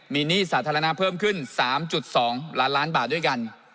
มีหนี้สาธารณะเพิ่มขึ้น๓๒ล้านล้านบาทด้วยกัน